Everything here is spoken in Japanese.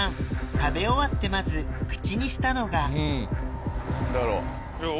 食べ終わってまず口にしたのがお！